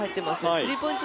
スリーポイント